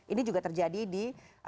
ini juga terjadi di